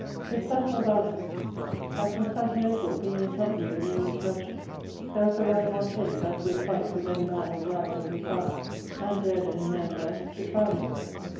His personall valour At Constantinople, being in company with the English merchants, there was a Rhadamontade that would fight with any man and bragged of his valour, and dared any man there to try him.